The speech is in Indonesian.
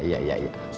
terima kasih bang